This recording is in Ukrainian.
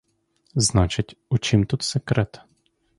Значить, у чім тут секрет?